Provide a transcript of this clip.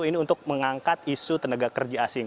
ini untuk mengangkat isu tenaga kerja asing